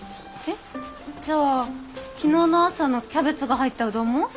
えっ？じゃあ昨日の朝のキャベツが入ったうどんも？